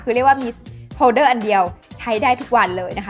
คือเรียกว่ามีโพลเดอร์อันเดียวใช้ได้ทุกวันเลยนะคะ